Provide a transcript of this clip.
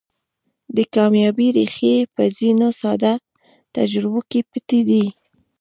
د کاميابۍ ريښې په ځينو ساده تجربو کې پټې دي.